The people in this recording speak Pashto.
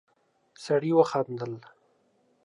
سړی وخندل.